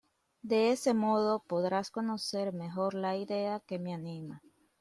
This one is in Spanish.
De ese modo podrás conocer mejor la idea que me anima